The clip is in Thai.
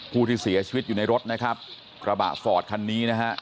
ผู้ที่เสียชีวิตอยู่ในรถนะครับกระบะฟอร์ดคันนี้นะฮะ